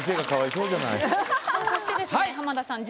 そしてですね浜田さん